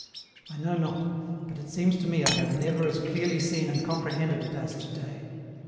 I know not, but it seems to me I have never as clearly seen and comprehended it as to day.